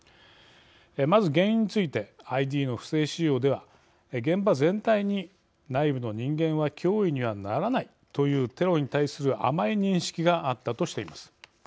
まず原因についてＩＤの不正使用では現場全体に内部の人間は脅威にはならないというテロに対する甘い認識があったとしています。